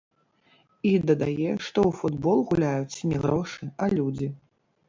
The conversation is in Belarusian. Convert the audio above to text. І дадае, што ў футбол гуляюць не грошы, а людзі.